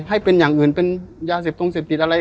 ให้เป็นอย่างอื่นเป็นยาเสพตรงเสพติดอะไร